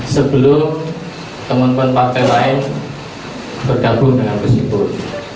sebelum teman teman partai lain bergabung dengan kusipul